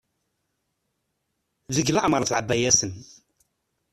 Deg leɛmer teɛba-yasen.